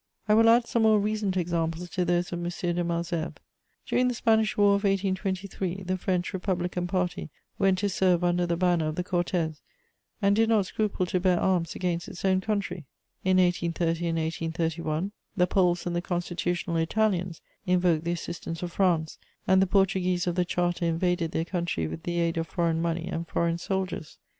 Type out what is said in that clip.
I will add some more recent examples to those of M. de Malesherbes: during the Spanish War of 1823, the French Republican Party went to serve under the banner of the Cortès, and did not scruple to bear arms against its own country; in 1830 and 1831, the Poles and the constitutional Italians invoked the assistance of France, and the Portuguese of the "Charter" invaded their country with the aid of foreign money and foreign soldiers.